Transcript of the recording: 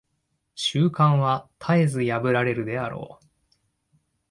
習慣は絶えず破られるであろう。